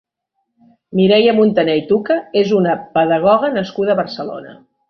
Mireia Montané i Tuca és una pedagoga nascuda a Barcelona.